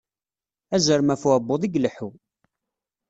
Azrem ɣef uɛebbuḍ i yelleḥu